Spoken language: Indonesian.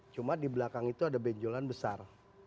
cuma di belakang itu ada benjolan besar